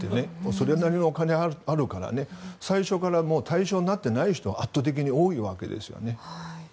それなりのお金があるからね最初から対象になっていない人が圧倒的に多いわけですよね。